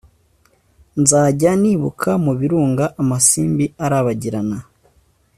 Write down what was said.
nzajya nibuka mu birunga amasimbi arabagirana,